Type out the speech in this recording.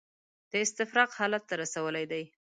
د استفراق حالت ته رسولي دي.